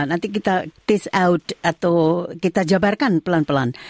nanti kita case out atau kita jabarkan pelan pelan